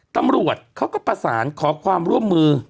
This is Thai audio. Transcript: ตำรวจเขาก็ประสานขอความร่วมมือ